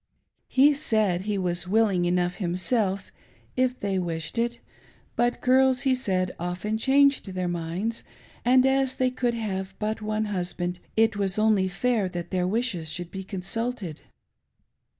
He said he was willing enough himselfy if they wished it ; but girls, he said, often changed their minds, and as they could have but one husband, it was only fair that their wishes should be consulted.